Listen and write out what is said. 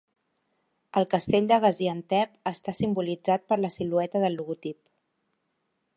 El castell de Gaziantep està simbolitzat per la silueta del logotip.